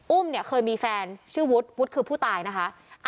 อุ้มเนี่ยเคยมีแฟนชื่อวุฒิวุฒิคือผู้ตายนะคะ